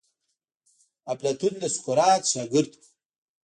افلاطون د سقراط شاګرد وو.